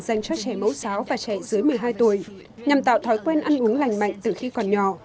dành cho trẻ mẫu giáo và trẻ dưới một mươi hai tuổi nhằm tạo thói quen ăn uống lành mạnh từ khi còn nhỏ